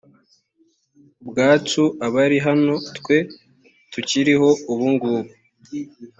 ubwacu abari hano, twe tukiriho ubu ngubu.